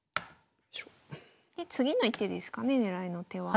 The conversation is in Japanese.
で次の一手ですかね狙いの手は。